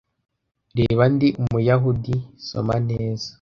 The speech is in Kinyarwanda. reba ndi umuyahudi soma neza